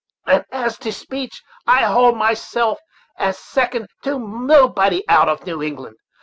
And as to speech, I hold myself as second to nobody out of New England.